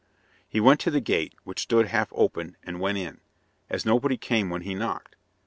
He went to the gate, which stood half open, and went in, as nobody came when he knocked.